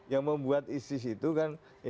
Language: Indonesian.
yang membuat isis itu kan